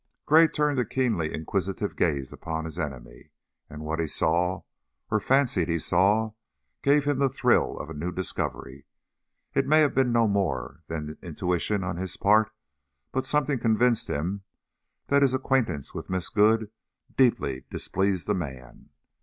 Gray turned a keenly inquisitive gaze upon his enemy, and what he saw, or fancied he saw, gave him the thrill of a new discovery. It may have been no more than intuition on his part, but something convinced him that his acquaintance with Miss Good deeply displeased the man.